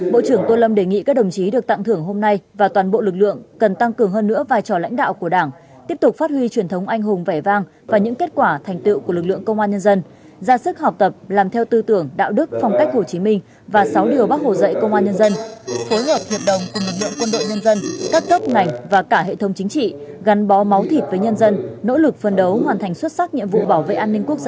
bộ trưởng tôn lâm đề nghị các đồng chí được tặng thưởng hôm nay và toàn bộ lực lượng cần tăng cường hơn nữa vai trò lãnh đạo của đảng tiếp tục phát huy truyền thống anh hùng vẻ vang và những kết quả thành tựu của lực lượng công an nhân dân ra sức học tập làm theo tư tưởng đạo đức phong cách hồ chí minh và sáu điều bác hồ dạy công an nhân dân phối hợp hiệp đồng cùng lực lượng quân đội nhân dân các cấp ngành và cả hệ thống chính trị gắn bó máu thịt với nhân dân nỗ lực phân đấu hoàn thành xuất sắc nhiệm vụ bảo vệ an ninh quốc gia